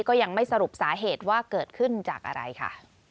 ก็ยังไม่สรุปสาเหตุว่าเกิดขึ้นจากอะไรค่ะ